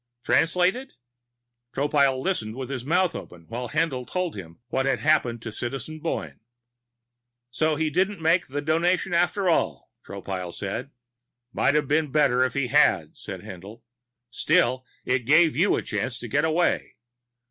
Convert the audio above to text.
"Translated?" Tropile listened with his mouth open while Haendl told him about what had happened to Citizen Boyne. "So he didn't make the Donation after all," Tropile said. "Might have been better if he had," said Haendl. "Still, it gave you a chance to get away.